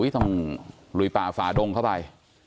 ต้องลุยป่าฝ่าดงเข้าไป